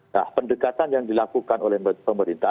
nah pendekatan yang dilakukan oleh pemerintah